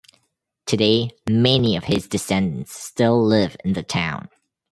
Today many of his descendants still live in the town.